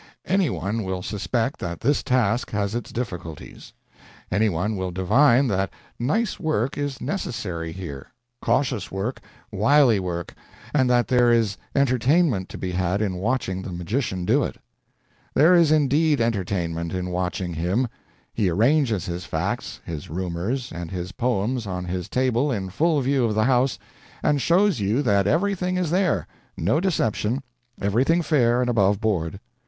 Any one will suspect that this task has its difficulties. Any one will divine that nice work is necessary here, cautious work, wily work, and that there is entertainment to be had in watching the magician do it. There is indeed entertainment in watching him. He arranges his facts, his rumors, and his poems on his table in full view of the house, and shows you that everything is there no deception, everything fair and above board.